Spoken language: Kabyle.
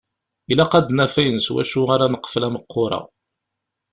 Ilaq ad d-naf ayen s wacu ara neqfel ameqqur-a.